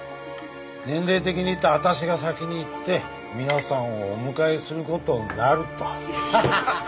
年齢的にいったらあたしが先に行って皆さんをお迎えする事になると。